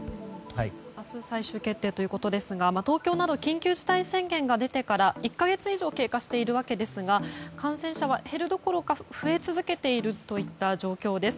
明日最終決定ということですが東京など緊急事態宣言が出てから１か月以上経過しているわけですが感染者数は減るどころか増え続けている状況です。